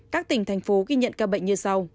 các tỉnh thành phố ghi nhận ca bệnh như sau